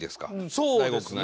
そうですね。